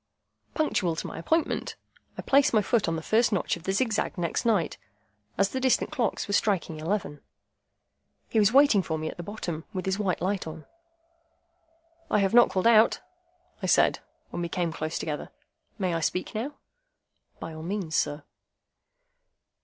Punctual to my appointment, I placed my foot on the first notch of the zigzag next night, as the distant clocks were striking eleven. He was waiting for me at the bottom, with his white light on. "I have not called out," I said, when we came close together; "may I speak now?" "By all means, sir."